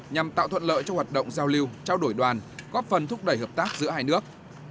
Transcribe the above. nhằm tạo thuận lợi cho hoạt động giao lưu trao đổi đoàn góp phần thúc đẩy hợp tác giữa hai nước